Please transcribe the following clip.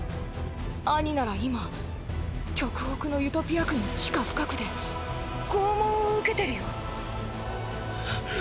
アニなら今極北のユトピア区の地下深くで拷問を受けてるよ。